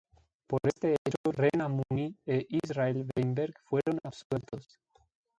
Por este hecho Rena Mooney e Israel Weinberg fueron absueltos.